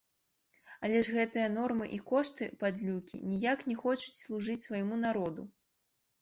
Але ж гэтыя нормы і кошты, падлюкі, ніяк не хочуць служыць свайму народу!